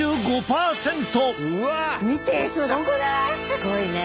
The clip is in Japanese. すごいね。